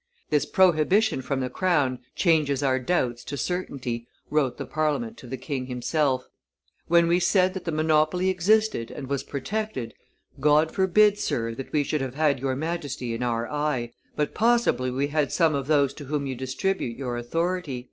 "This prohibition from the crown changes our doubts to certainty," wrote the Parliament to the king himself; "when we said that the monopoly existed and was protected, God forbid, sir, that we should have had your Majesty in our eye, but possibly we had some of those to whom you distribute your authority."